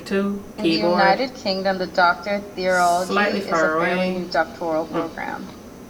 In the United Kingdom, the Doctor of Theology is a fairly new doctoral program.